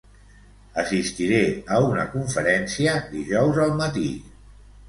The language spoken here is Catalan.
Assistiré a una conferència dijous al matí.